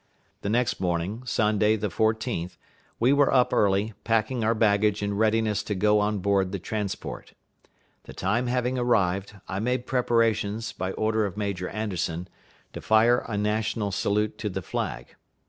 The next morning, Sunday, the 14th, we were up early, packing our baggage in readiness to go on board the transport. The time having arrived, I made preparations, by order of Major Anderson, to fire a national salute to the flag.